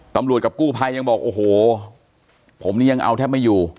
กับกู้ภัยยังบอกโอ้โหผมนี่ยังเอาแทบไม่อยู่